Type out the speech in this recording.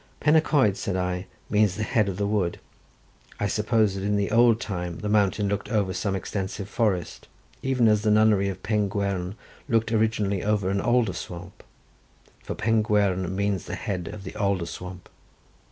"Pen y Coed," said I, "means the head of the wood. I suppose that in the old time the mountain looked over some extensive forest, even as the nunnery of Pengwern looked originally over an alder swamp, for Pengwern means the head of the alder swamp."